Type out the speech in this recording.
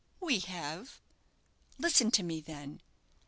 "We have." "Listen to me, then.